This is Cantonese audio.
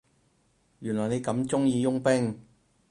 原來你咁鍾意傭兵